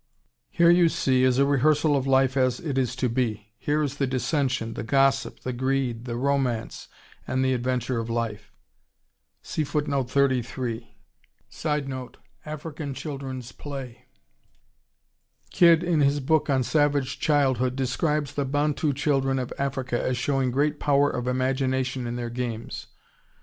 Here, you see, is a rehearsal of life as it is to be. Here is the dissension, the gossip, the greed, the romance, and the adventure of life. [Illustration: "LONDON BRIDGE" AT THE MIDORI KINDERGARTEN, JAPAN] [Sidenote: African children's play.] "Kidd in his book on 'Savage Childhood' describes the Bantu children of Africa as showing great power of imagination in their games.